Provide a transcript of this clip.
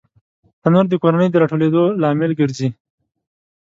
تنور د کورنۍ د راټولېدو لامل ګرځي